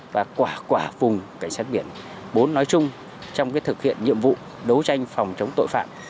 và quả quả vùng cảnh sát biển bốn nói chung trong thực hiện nhiệm vụ đấu tranh phòng chống tội phạm